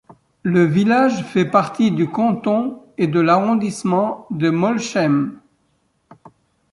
Le village fait partie du canton et de l'arrondissement de Molsheim.